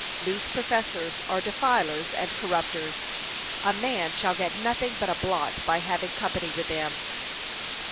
Loose professors are defilers and corrupters; a man shall get nothing but a blot by having company with them.